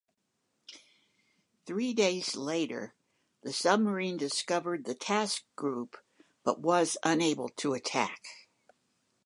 Three days later, the submarine discovered the task group, but was unable to attack.